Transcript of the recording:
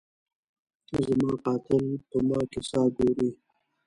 زما قاتل په ما کي ساه ګوري